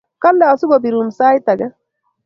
Kale asikopirun sait age.